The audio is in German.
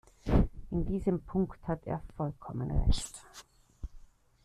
In diesem Punkt hat er vollkommen Recht.